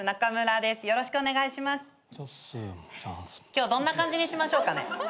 今日どんな感じにしましょうかね？